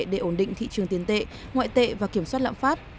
để ổn định thị trường tiền tệ ngoại tệ và kiểm soát lãm phát